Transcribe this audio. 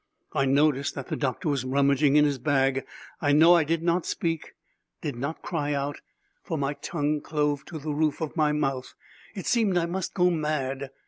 I noticed that the doctor was rummaging in his bag. I know I did not speak, did not cry out, for my tongue clove to the roof of my mouth. It seemed I must go mad.